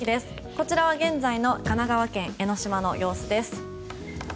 こちらは現在の神奈川県江の島の様子です。